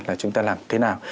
là chúng ta làm thế nào